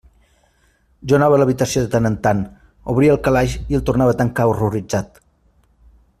Jo anava a l'habitació de tant en tant, obria el calaix i el tornava a tancar horroritzat.